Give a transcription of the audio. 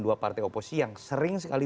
dua partai oposisi yang sering sekali